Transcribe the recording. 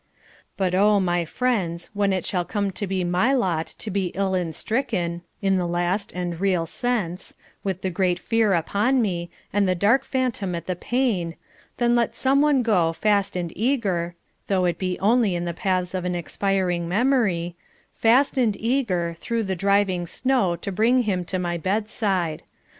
But, oh, my friends, when it shall come to be my lot to be ill and stricken in the last and real sense, with the Great Fear upon me, and the Dark Phantom at the pane then let some one go, fast and eager though it be only in the paths of an expiring memory fast and eager, through the driving snow to bring him to my bedside.